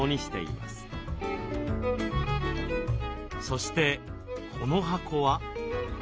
そしてこの箱は？